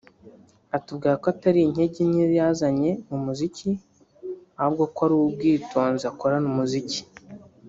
atubwira ko atari intege nke yazanye mu muziki ahubwo ko ari ubwitonzi akorana umuziki